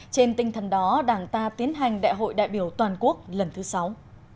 trên tinh thần đó đảng ta tiến hành đại hội đại biểu toàn quốc lần thứ sáu